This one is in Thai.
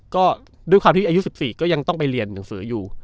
ก็ด้วยความที่อายุ๑๔ก็ยังต้องไปเรียนหนังสืออยู่